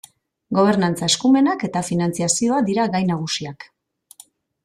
Gobernantza, eskumenak eta finantzazioa dira gai nagusiak.